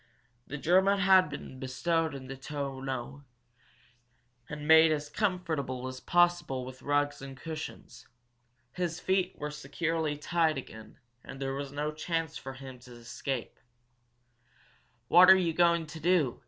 The German had been bestowed in the tonneau, and made as comfortable as possible with rugs and cushions. His feet were securely tied again, and there was no chance for him to escape. "What are you going to do?"